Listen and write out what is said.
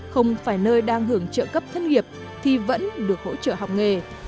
không phải nơi đang hưởng trợ cấp thất nghiệp thì vẫn được hỗ trợ học nghề